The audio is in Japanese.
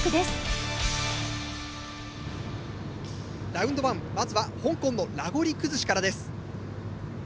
ラウンド１まずは香港のラゴリ崩しからです。